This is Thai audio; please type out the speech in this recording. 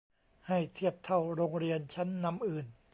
ให้เทียบเท่าโรงเรียนชั้นนำอื่น